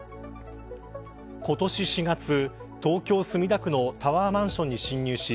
今年４月東京、墨田区のタワーマンションに侵入し